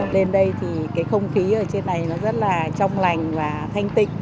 lên đây thì cái không khí ở trên này nó rất là trong lành và thanh tịnh